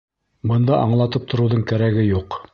Бында аңлатып тороуҙың кәрәге юҡ.